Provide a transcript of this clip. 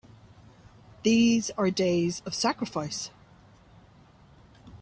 These are days of sacrifice!